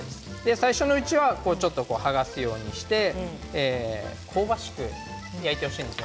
最初のうちはちょっと剥がすようにして香ばしく焼いてほしいんです。